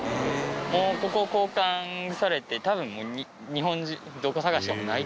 もうここ交換されて多分日本中どこ探してもないと思う。